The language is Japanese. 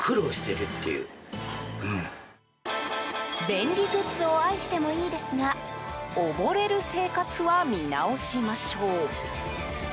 便利グッズを愛してもいいですが溺れる生活は見直しましょう。